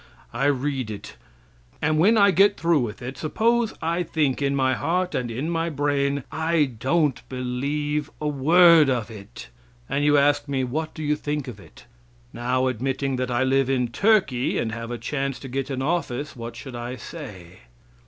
I read it. When I get through with it, suppose I think in my heart and in my brain, "I don't believe a word of it;" and you ask me, "What do you think of it?" Now, admitting that I live in Turkey, and have a chance to get an office, what should I say?